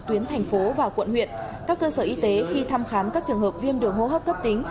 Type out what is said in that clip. tuyến thành phố và quận huyện các cơ sở y tế khi thăm khám các trường hợp viêm đường hô hấp cấp tính